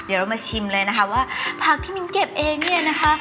เดี๋ยวเรามาชิมเลยนะคะว่าผักที่มิ้นเก็บเองเนี่ยนะคะ